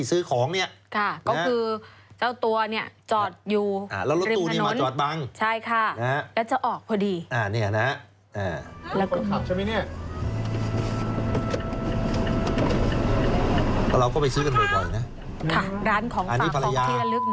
เราก็ไปซื้อกันบ่อยนะอันนี้ภรรยา